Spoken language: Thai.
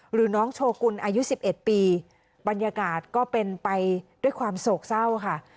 หรือน้องโชกุลอายุสิบเอ็ดปีบรรยากาศก็เป็นไปด้วยความโศกเศร้าค่ะ